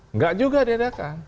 enggak juga diadakan